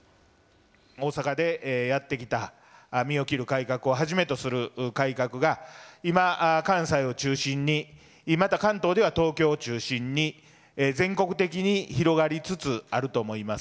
大阪でやってきた身を切る改革をはじめとする改革が、今、関西を中心に、また関東では東京を中心に、全国的に広がりつつあると思います。